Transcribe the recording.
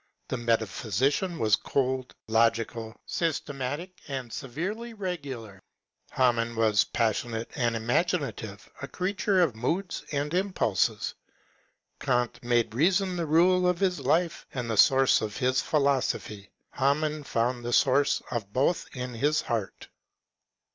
The metaphysician was cold, logical, systematic, and severely regular ; Hamann was passionate and imaginative, a creature of moods and impulses. E^nt made reason the rule of his life and the source of his philosophy; Hamann found the source of both in his heart.